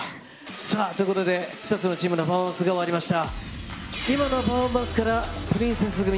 さあ、ということで、２つのチームのパフォーマンスが終わりました。